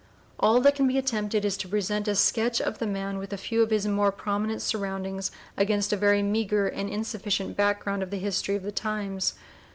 All that can be attempted is to present a sketch of the man with a few of his more prominent surroundings against a very meagre and insufficient background of the history of the times.